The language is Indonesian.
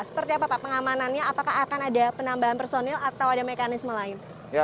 seperti apa pak pengamanannya apakah akan ada penambahan personil atau ada mekanisme lain